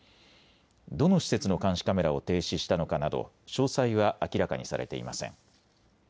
どの施設の監視カメラを停止したのかなど詳細は明らかにされていません。